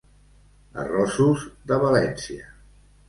Arrossos de València.